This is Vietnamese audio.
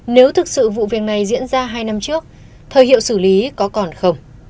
nếu thực sự vụ việc này diễn ra hai năm trước thời hiệu xử lý có còn không